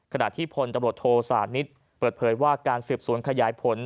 ขณะที่พลตำรวจโทสานิทเปิดเผยว่าการสืบสวนขยายผล